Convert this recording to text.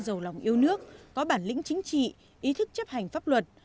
giàu lòng yêu nước có bản lĩnh chính trị ý thức chấp hành pháp luật